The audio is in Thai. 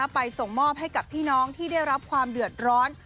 ไปส่งมอบให้กับพี่น้องที่ได้รับความเดือดร้อน